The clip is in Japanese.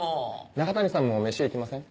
中谷さんもメシ行きません？